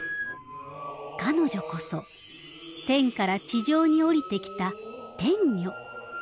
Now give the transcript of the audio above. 彼女こそ天から地上に降りてきた天女。